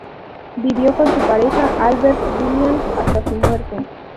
Vivió con su pareja, Albert Williams, hasta su muerte.